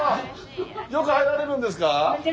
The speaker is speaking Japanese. よく入られるんですか？